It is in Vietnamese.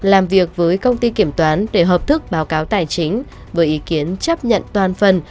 làm việc với công ty kiểm toán để hợp thức báo cáo tài chính với ý kiến chấp nhận toàn phần